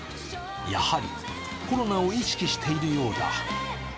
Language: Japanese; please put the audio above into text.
やはりコロナを意識しているようだ。